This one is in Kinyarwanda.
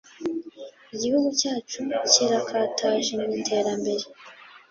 Igihugu cyacu kirakataje mu iterambere